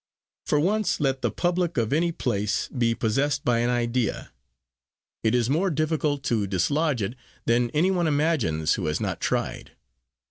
For once let the "public" of any place be possessed by an idea, it is more difficult to dislodge it than any one imagines who has not tried.